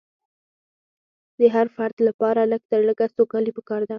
د هر فرد لپاره لږ تر لږه سوکالي پکار ده.